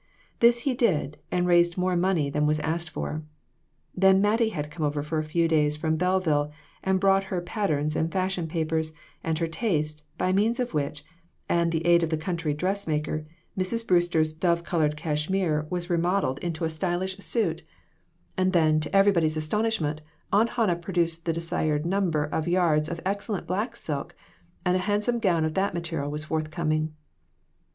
This he did and raised more money than was asked for. Then Mattie had come over for a few days from Belleville, and brought her patterns and fashion papers and her taste, by means of which, and the aid of the country dress maker, Mrs. Brewster's dove colored cashmere was remodeled into a styl 262 WITHOUT ARE DOGS. ish suit. And then, to everybody's ment, Aunt Hannah produced the desired nurr. her of yards of very excellent black silk, ana a handsome gown of that material was forthcom ing.